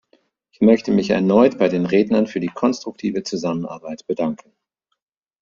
Ich möchte mich erneut bei den Rednern für die konstruktive Zusammenarbeit bedanken.